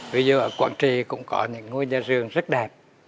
ví dụ ở quảng trì cũng có những ngôi nhà rường rất đẹp